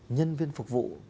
nhân viên phục vụ